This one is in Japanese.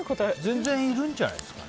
全然いるんじゃないですか。